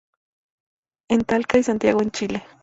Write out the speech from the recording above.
En Talca y Santiago en Chile.